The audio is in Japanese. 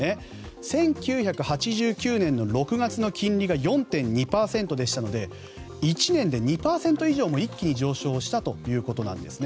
１９８９年の６月の金利が４．２％でしたので１年で２％以上も一気に上昇したということなんですね。